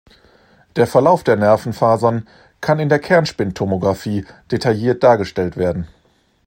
Der Verlauf der Nervenfasern kann in der Kernspintomographie detailliert dargestellt werden.